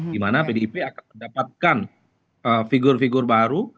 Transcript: di mana pdip akan mendapatkan figur figur baru